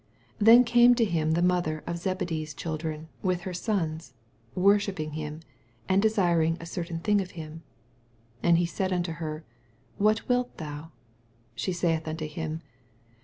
20 Then came to him the mother of Zebedee's children with her sons, worshipping %tm, and desiring a cer tain thuff of him. S) And he said nnto her, What wilt thou ? She suth unto him.